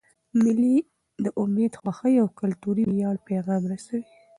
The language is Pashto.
مېلې د امید، خوښۍ، او کلتوري ویاړ پیغام رسوي.